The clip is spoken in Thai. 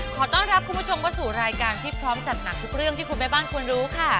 ขอต้อนรับคุณผู้ชมเข้าสู่รายการที่พร้อมจัดหนักทุกเรื่องที่คุณแม่บ้านควรรู้ค่ะ